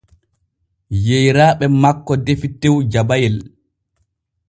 Yeyraaɓe makko defi tew jabayel.